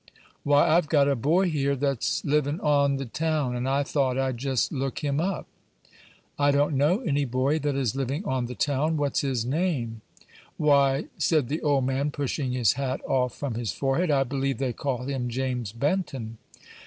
"Why, I've got a boy here, that's livin' on the town, and I thought I'd jest look him up." "I don't know any boy that is living on the town. What's his name?" "Why," said the old man, pushing his hat off from his forehead, "I believe they call him James Benton."